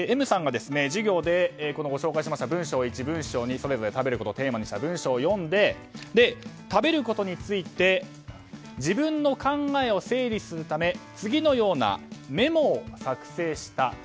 Ｍさんが授業で紹介しました文章１、文章２それぞれ食べることをテーマにした文章を読んで食べることについて自分の考えを整理するため次のようなメモを作成した。